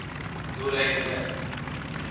Tura gnen.